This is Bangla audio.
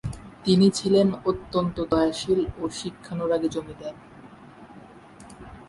তিনি ছিলেন অত্যন্ত দানশীল ও শিক্ষানুরাগী জমিদার।